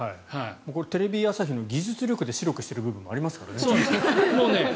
これはテレビ朝日の技術力で白くしてる部分もありますからね。